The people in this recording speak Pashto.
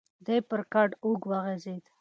دی پر کټ اوږد وغځېد.